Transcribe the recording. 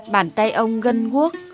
bàn tay ông gân guốc